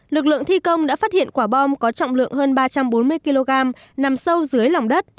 lực lượng thi công đã phát hiện quả bom có trọng lượng hơn ba trăm bốn mươi kg nằm sâu dưới lòng đất